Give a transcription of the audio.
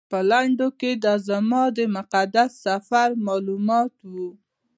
په لنډو کې دا زما د مقدس سفر معلومات و.